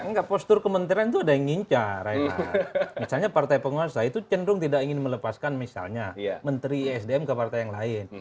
enggak postur kementerian itu ada yang ngincar misalnya partai penguasa itu cenderung tidak ingin melepaskan misalnya menteri isdm ke partai yang lain